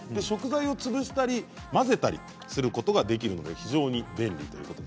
食材を潰したり、混ぜたりすることができるもので非常に便利です。